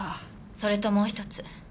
それともう一つ。